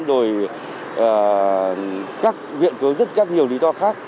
rồi các viện có rất nhiều lý do khác